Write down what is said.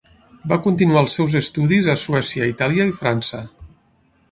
Va continuar els seus estudis a Suècia, Itàlia i França.